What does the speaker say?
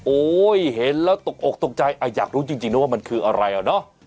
เห็นแล้วตกอกตกใจอยากรู้จริงนะว่ามันคืออะไรอ่ะเนาะ